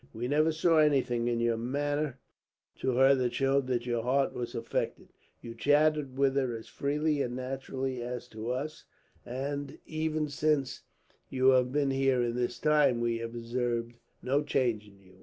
We never saw anything in your manner to her that showed that your heart was affected. You chatted with her as freely and naturally as to us and, even since you have been here this time, we have observed no change in you.